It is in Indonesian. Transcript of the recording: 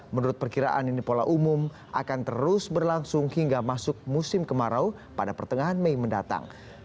menurut perkiraan ini pola umum akan terus berlangsung hingga masuk musim kemarau pada pertengahan mei mendatang